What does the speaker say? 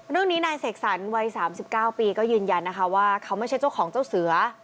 เรื่องนี้นายเสกสรรวัย๓๙ปีก็ยืนยันนะคะว่าเขาไม่ใช่เจ้าของเจ้าเสือ